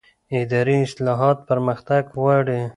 اداري اصلاح پرمختګ غواړي